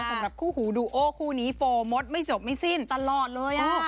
สำหรับคู่หูดูโอคู่นี้โฟร์มดไม่จบไม่สิ้นตลอดเลย